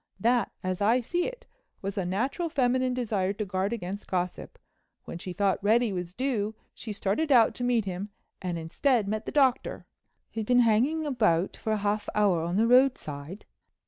That, as I see it, was a natural feminine desire to guard against gossip. When she thought Reddy was due she started out to meet him—and instead met the Doctor." "Who'd been hanging about for a half hour on the roadside?"